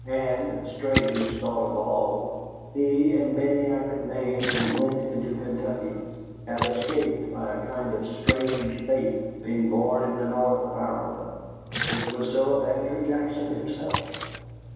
And, strangest thought of all, he and many I could name who went into Kentucky, had escaped, by a kind of strange fate, being born in the north of Ireland. This was so of Andrew Jackson himself.